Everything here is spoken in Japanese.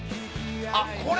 あっこれ？